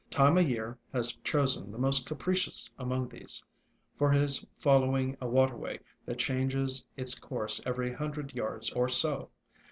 Time o' Year has chosen the most capricious among these for his following — a waterway that changes its course every hundred yards or so.